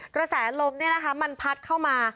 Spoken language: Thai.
เกษตรลมนี่นะคะมันพัดเข้ามา